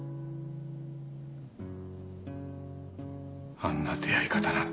あんな出会い方なんて。